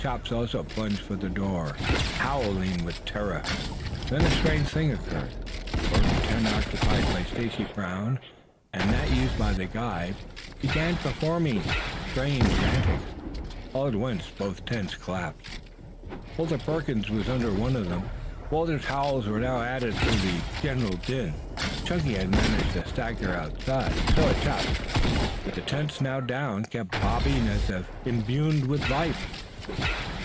Chops also plunged for the door, howling with terror. Then a strange thing occurred. Both the tent occupied by Stacy Brown and that used by the guide began performing strange antics. All at once both tents collapsed. Walter Perkins was under one of them. Walter's howls were now added to the general din. Chunky had managed to stagger outside. So had Chops; but the tents, now down, kept bobbing as if imbued with life.